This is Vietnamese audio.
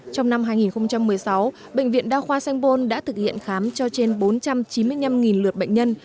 trong năm hai nghìn một mươi sáu bệnh viện đao khoa sengpon đã thực hiện khám cho trên bốn trăm chín mươi năm lượt bệnh nhân